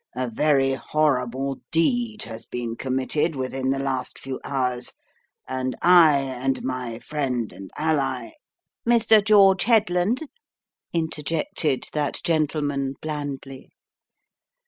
"A very horrible deed has been committed within the last few hours, and I and my friend and ally " "Mr. George Headland," interjected that gentle The Woman in the Case 133 man, blandly.